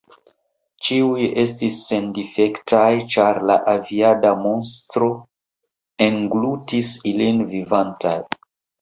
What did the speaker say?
Ĉiuj estis sendifektaj, ĉar la avida monstro englutis ilin vivantaj.